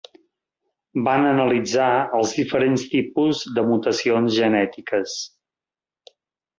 Van analitzar els diferents tipus de mutacions genètiques.